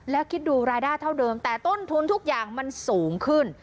แล้วคิดดูรายได้เท่าเดิมแต่ต้นทุนทุกอย่างมันสูงขึ้น